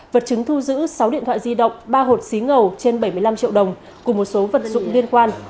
sáu điện thoại di động ba hột xí ngầu trên bảy mươi năm triệu đồng cùng một số vật dụng liên quan